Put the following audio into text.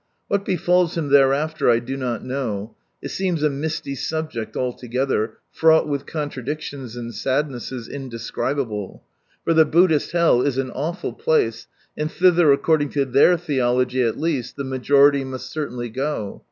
What befalls him thereafter, I do not know ; it seems a misty subject altogether, fiaught with contradictions and sadnesses indescribable ; for the Buddhist hell is an awful place, and thither according to their theology at least, the majority must cer tainly go.